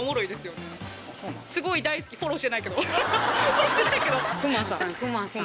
フォローしてないけど。